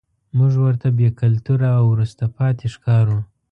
موږ ورته بې کلتوره او وروسته پاتې ښکارو.